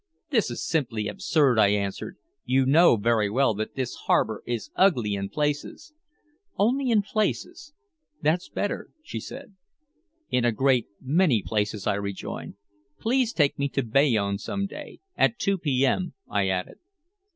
"This is simply absurd," I answered. "You know very well that this harbor is ugly in places " "Only in places. That's better," she said. "In a great many places," I rejoined. "Please take me to Bayonne some day at two p. m.," I added.